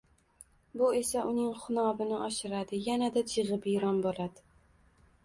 Bu esa, uning xunobini oshiradi, yanada jig`ibiyron bo`ladi